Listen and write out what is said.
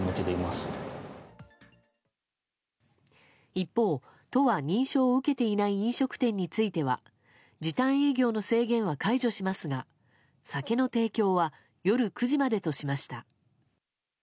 一方、都は認証を受けていない飲食店については時短営業の制限は解除しますが酒の提供は夜９時までとしました。